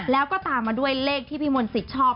แล้วก็ตามมาด้วยเลขที่พี่มนต์สิทธิ์ชอบ